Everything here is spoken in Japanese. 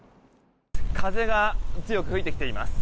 風が強く吹いてきています。